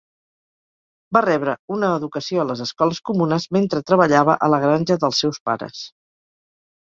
Va rebre una educació a les escoles comunes mentre treballava a la granja dels seus pares.